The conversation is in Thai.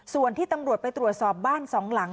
ส่วนที่ตำรวจไปตรวจสอบบ้านสองหลัง